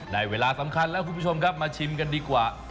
เวลาสำคัญแล้วคุณผู้ชมครับมาชิมกันดีกว่า